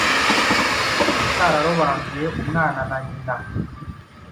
itarobanuye umwana na nyina